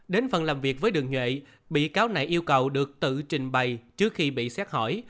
đến phần làm việc với đường nhuệ bị cáo này yêu cầu được tự trình bày trước khi bị xét hỏi